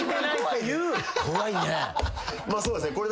まあそうですね。